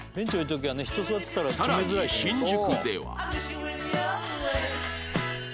さらに新宿では